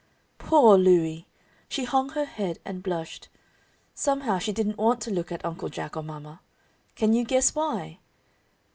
Poor Louie! She hung her head and blushed. Somehow she didn't want to look at Uncle Jack or mama. Can you guess why?